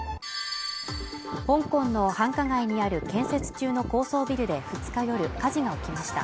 香港の繁華街にある建設中の高層ビルで２日夜、火事が起きました